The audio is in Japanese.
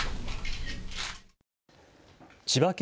千葉県